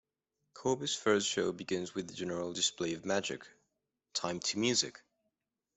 Coby's first show begins with a general display of magic, timed to music.